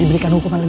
adalah untuk people